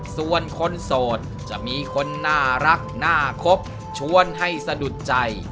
ส่วนคนโสดจะมีคนน่ารักหน้าครบชวนให้สะดุดใจ